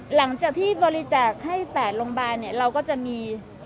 หลังจากที่บริจาคให้๘โรงบาลเราก็จะมี